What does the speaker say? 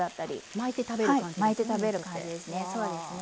巻いて食べる感じそうですね。